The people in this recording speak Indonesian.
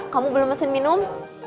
kamu belum mesin minum